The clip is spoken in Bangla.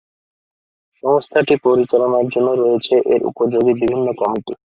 সংস্থাটি পরিচালনার জন্য রয়েছে এর উপযোগী বিভিন্ন কমিটি।